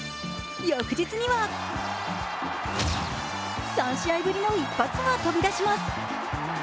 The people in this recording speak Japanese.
翌日には、３試合ぶりの一発が飛び出します。